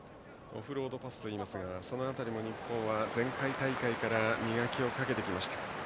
オフロードパスといいますがその辺りも日本は前回大会から磨きをかけてきました。